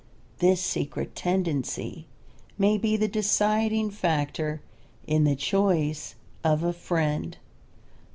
This secret tendency may be the deciding factor in the choice of a friend.